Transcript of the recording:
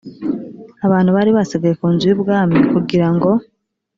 abantu bari basigaye ku nzu y’ubwami kugira ngo